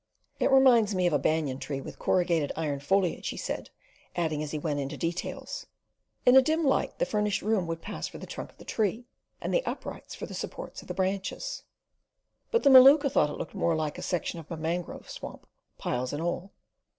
"It reminds me of a banyan tree with corrugated iron foliage," he said, adding as he went into details, "In a dim light the finished room would pass for the trunk of the tree and the uprights for the supports of the branches." But the Maluka thought it looked more like a section of a mangrove swamp, piles and all.